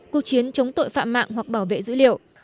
cuộc chiến chống tội phạm mạng hoặc bảo vệ dữ liệu